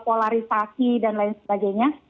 polarisasi dan lain sebagainya